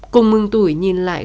cùng mừng tuổi nhìn lại